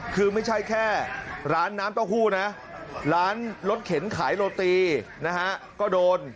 คือไม่ใช่แค่ร้านน้ำเต้าหู้นะร้านรถเข็นขายโรตีนะฮะก็โดน